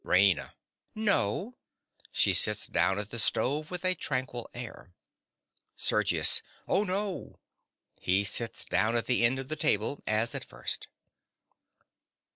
RAINA. No. (She sits down at the stove with a tranquil air.) SERGIUS. Oh, no! (_He sits down at the end of the table, as at first.